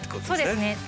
そうですね。